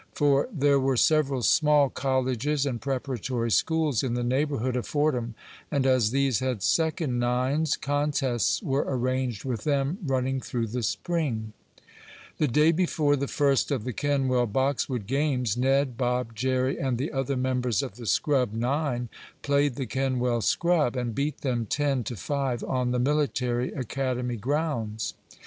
For there were several small colleges and preparatory schools in the neighborhood of Fordham, and, as these had second nines, contests were arranged with them running through the spring. The day before the first of the Kenwell Boxwood games Ned, Bob, Jerry and the other members of the scrub nine, played the Kenwell scrub, and beat them ten to five on the military academy grounds.